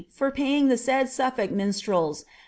lor paying the said SulTulk minstrels 13a.